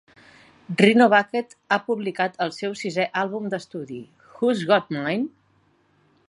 Rhino Bucket ha publicat el seu sisè àlbum d'estudi, "Who's Got Mine?"